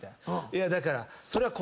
いやだから。